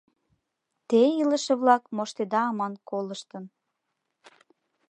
Те, илыше-влак, моштеда аман колыштын